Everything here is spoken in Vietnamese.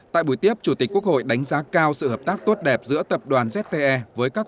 tại buổi tiếp chủ tịch quốc hội đánh giá cao sự hợp tác tốt đẹp giữa tập đoàn zte với các